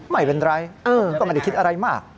ไม่เป็นไรก็ไม่ได้คิดอะไรมาก